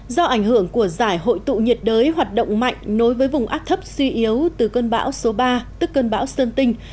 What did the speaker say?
do ảnh hưởng của giải hội tụ nhiệt đới hoạt động mạnh nối với vùng áp thấp suy yếu từ cơn bão số ba tức cơn bão sơn tinh